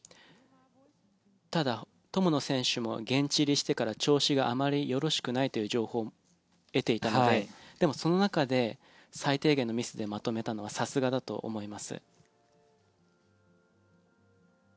ただ、友野選手も現地入りしてから調子があまりよろしくないという情報を得ていたのででもその中で最低限のミスでまとめたのはさすがだと思います。